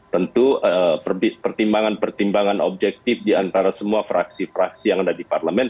tentu pertimbangan pertimbangan objektif diantara semua fraksi fraksi yang ada di parlemen